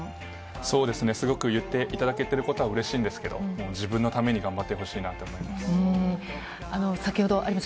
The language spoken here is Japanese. そうですね、すごく言っていただけてることはうれしいんですけど、もう自分のために頑張ってほしいなと思います。